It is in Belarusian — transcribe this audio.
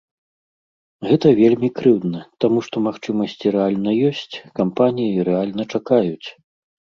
Гэта вельмі крыўдна, таму што магчымасці рэальна ёсць, кампаніі рэальна чакаюць.